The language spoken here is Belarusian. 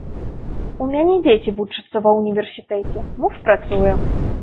У мяне дзеці вучацца ва ўніверсітэце, муж працуе.